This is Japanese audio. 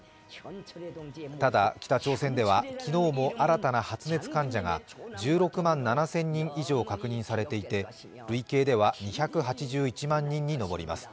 ただ、北朝鮮では昨日も新たな発熱患者が１６万７０００人以上確認されていて累計では２８１万人に上ります。